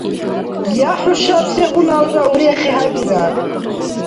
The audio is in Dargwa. Я хӀушаб сегъуналра урехи хӀебирар…